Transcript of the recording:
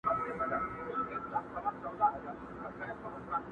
پر اوږو کتاب اخیستې؛ نن د علم جنازه ده,